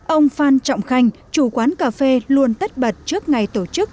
ông phan trọng khanh chủ quán cà phê luôn tất bật trước ngày tổ chức